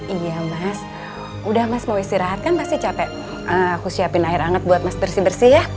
iya mas udah mas mau istirahat kan pasti capek aku siapin air anget buat mas bersih bersih ya